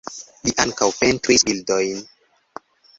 Li ankaŭ pentris bildojn.